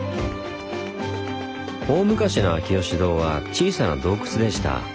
大昔の秋芳洞は小さな洞窟でした。